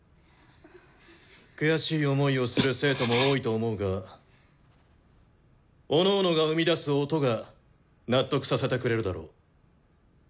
悔しい思いをする生徒も多いと思うがおのおのが生み出す「音」が納得させてくれるだろう。